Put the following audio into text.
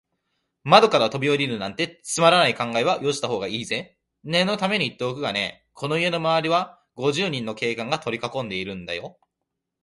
窓からとびおりるなんて、つまらない考えはよしたほうがいいぜ。念のためにいっておくがね、この家のまわりは、五十人の警官がとりかこんでいるんだよ。